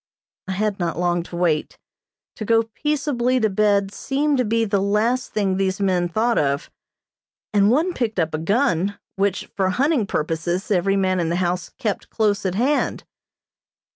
I had not long to wait. To go peaceably to bed seemed to be the last thing these men thought of, and one picked up a gun, which, for hunting purposes, every man in the house kept close at hand.